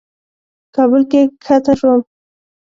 کابل کې کښته شوم.